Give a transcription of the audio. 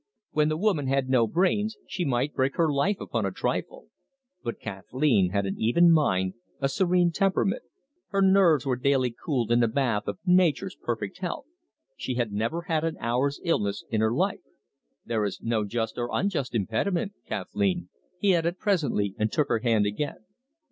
When the woman had no brains, she might break her life upon a trifle. But Kathleen had an even mind, a serene temperament. Her nerves were daily cooled in a bath of nature's perfect health. She had never had an hour's illness in her life. "There is no just or unjust impediment, Kathleen," he added presently, and took her hand again.